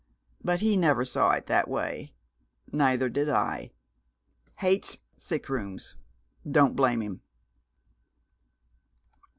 But he never saw it that way neither did I. Hates sick rooms. Don't blame him."